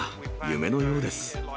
夢のようです。